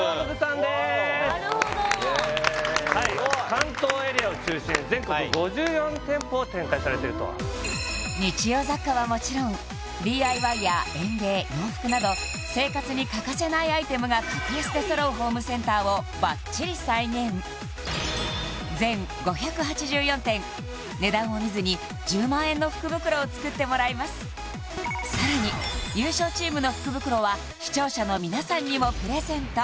でーすなるほどはい日用雑貨はもちろんＤＩＹや園芸洋服など生活に欠かせないアイテムが格安で揃うホームセンターをバッチリ再現値段を見ずに１０万円の福袋を作ってもらいますさらに優勝チームの福袋は視聴者の皆さんにもプレゼント